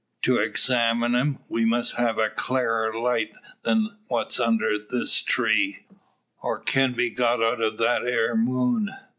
To examine 'em, we must have a clarer light than what's unner this tree, or kin be got out o' that 'ere moon.